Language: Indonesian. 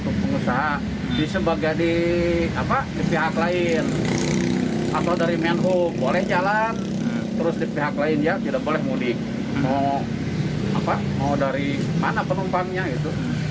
karena penumpangnya itu